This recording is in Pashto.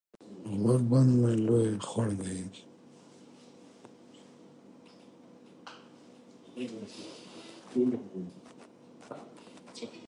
د غوربند لوے خوړ بهېږي